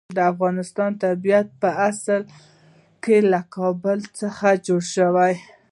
د افغانستان طبیعت په اصل کې له کابل څخه جوړ دی.